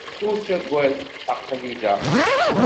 Ur ttagad. Aql-i da.